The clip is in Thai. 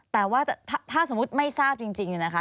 แต่ว่าถ้าสมมุติไม่ทราบจริงเนี่ยนะคะ